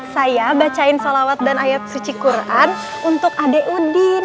saya bacain salawat dan ayat suci quran untuk ade udin